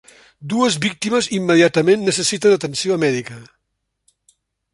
Dues víctimes immediatament necessiten atenció mèdica.